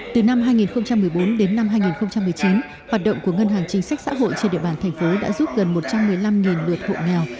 từ năm hai nghìn một mươi bốn đến năm hai nghìn một mươi chín hoạt động của ngân hàng chính sách xã hội trên địa bàn thành phố đã giúp gần một trăm một mươi năm lượt hộ nghèo